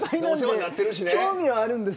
興味はあるんです。